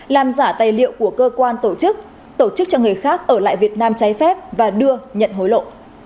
làm giả tài liệu của cơ quan tổ chức tổ chức cho người khác ở lại việt nam trái phép và đưa nhận hối lộ